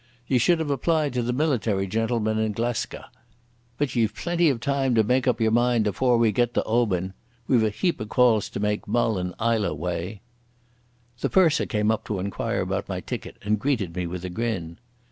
Ye should have applied to the military gentlemen in Glesca. But ye've plenty o' time to make up your mind afore we get to Oban. We've a heap o' calls to make Mull and Islay way." The purser came up to inquire about my ticket, and greeted me with a grin.